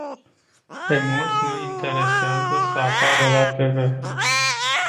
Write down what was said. Pe mulți nu îi interesează să apară la te ve.